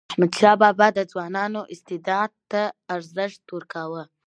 احمدشاه بابا د ځوانانو استعداد ته ارزښت ورکاوه.